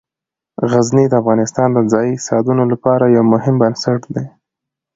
غزني د افغانستان د ځایي اقتصادونو لپاره یو مهم بنسټ دی.